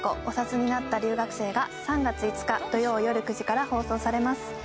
お札になった留学生』が３月５日土曜よる９時から放送されます。